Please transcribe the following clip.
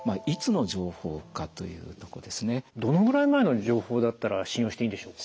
どのぐらい前の情報だったら信用していいんでしょうか？